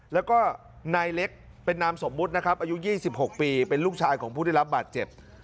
แล้วก็นายเล็กเป็นนามสมมุตินะครับอายุ๒๖ปีเป็นลูกชายของผู้ได้รับบาดเจ็บ